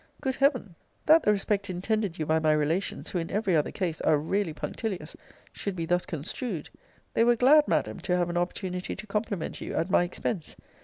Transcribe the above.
Good Heaven! that the respect intended you by my relations, who, in every other case, are really punctilious, should be thus construed! They were glad, Madam, to have an opportunity to compliment you at my expense.